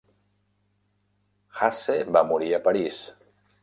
Hase va morir a París.